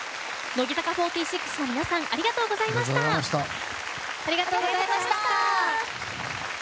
乃木坂４６の皆さんありがとうございました。